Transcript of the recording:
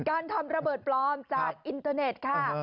การทำระเบิดปลอมจากอินเตอร์เน็ตค่ะ